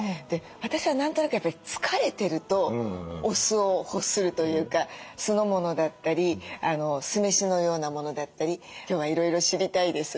私は何となくやっぱり疲れてるとお酢を欲するというか酢の物だったり酢飯のようなものだったり今日はいろいろ知りたいです。